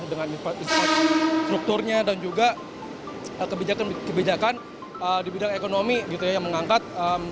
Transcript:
dengan infrastrukturnya dan juga kebijakan kebijakan di bidang ekonomi gitu ya yang mengangkat